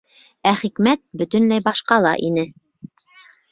Ә хикмәт бөтөнләй башҡала ине.